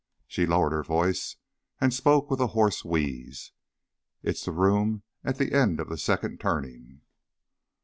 She lowered her voice and spoke with a hoarse wheeze. "It's the room at the end of the second turning."